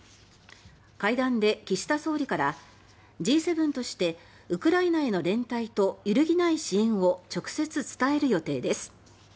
会談で、岸田総理からＧ７としてウクライナへの連帯と揺るぎない支援を直接伝える予定です。